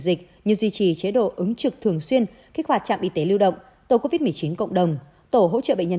dịch như duy trì chế độ ứng trực thường xuyên kích hoạt trạm y tế lưu động tổ covid một mươi chín cộng đồng tổ hỗ trợ bệnh nhân